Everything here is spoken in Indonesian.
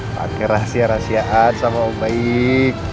pakai rahasia rahasiaan sama baik